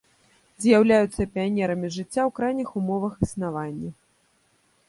З'яўляюцца піянерамі жыцця ў крайніх умовах існавання.